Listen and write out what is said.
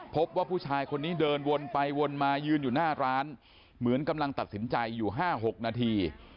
พบว่าผู้ชายคนนี้เดินวนไปวนมายืนอยู่หน้าร้านเหมือนกำลังตัดสินใจอยู่๕๖นาที